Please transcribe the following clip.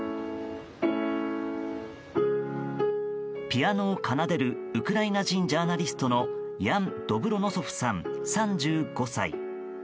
ピアノを奏でるウクライナ人ジャーナリストのヤン・ドブロノソフさん３５歳。